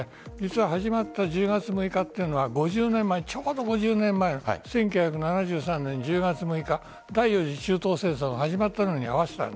始まったちょうど５０年前１９７３年１０月６日第４次中東戦争が始まったのに合わせた。